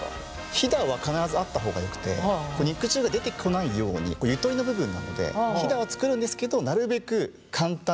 ひだは必ずあった方がよくて肉汁が出てこないようにゆとりの部分なのでひだは作るんですけどなるべく簡単に。